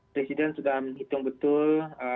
presiden sudah menghitung betul